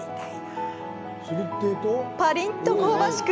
パリンと香ばしく